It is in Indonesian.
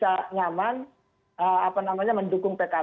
ya naik suaranya begitu